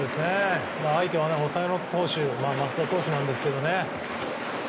相手は抑えの投手の増田投手なんですけどね。